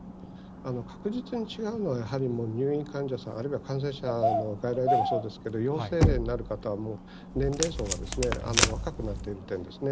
確実に違うのは、やはり入院患者さん、あるいは感染者の外来でもそうですけど、陽性例になる方はもう、年齢層が若くなっている点ですね。